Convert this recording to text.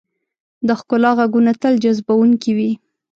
د ښکلا ږغونه تل جذبونکي وي.